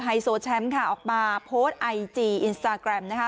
ไฮโซแชมป์ค่ะออกมาโพสต์ไอจีอินสตาแกรมนะคะ